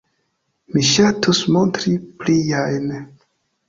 Mi ŝatus montri pliajn.